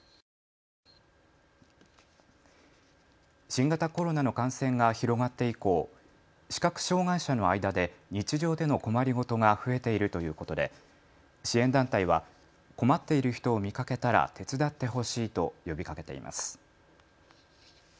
新型コロナの感染が広がって以降、視覚障害者の間で日常での困り事が増えているということで支援団体は困っている人を見かけたら手伝ってほしいと呼びかけています。